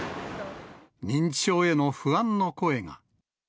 認知症への不安の声が。